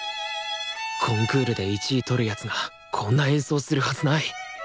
コンクールで１位取る奴がこんな演奏するはずない。